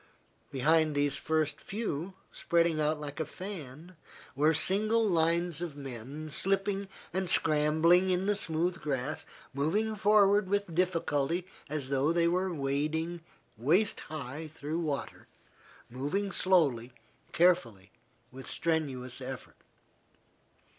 Behind these first few, spreading out like a fan, were single lines of men, slipping and scrambling in the smooth grass, moving forward with difficulty, as though they were wading waist high through water, moving slowly, carefully, with strenuous effort.